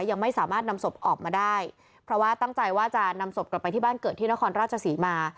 ยังไม่สามารถนำศพออกมาได้เพราะว่าตั้งใจว่าจะนำศพกลับไปที่บ้านเกิดที่นครราชศรีมา